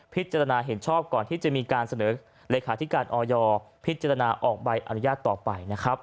พิจารณาเห็นชอบก่อนที่จะมีการเสนอเลขาธิการออยพิจารณาออกใบอนุญาตต่อไปนะครับ